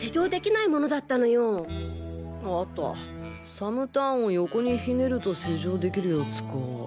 サムターンを横にひねると施錠できるやつか。